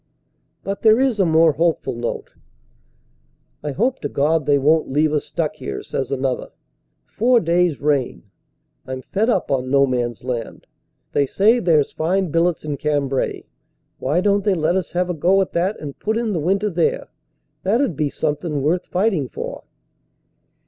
But there is a more hopeful note. "I hope to God they won t leave us stuck here," says another. "Four days rain ; I m fed up on No Man s Land, They say there s fine billets in Cambrai. Why don t they let us have a go at that and put in the winter there? Thai ud be something worth fighting for."